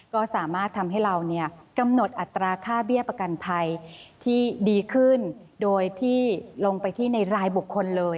ก็สามารถทำให้เราเนี่ยกำหนดอัตราค่าเบี้ยประกันภัยที่ดีขึ้นโดยที่ลงไปที่ในรายบุคคลเลย